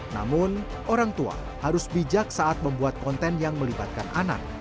namun orang tua harus bijak saat membuat konten yang melibatkan anak